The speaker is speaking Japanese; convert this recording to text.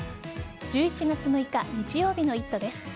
１１月６日日曜日の「イット！」です。